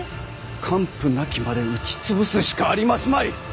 完膚なきまで打ち潰すしかありますまい。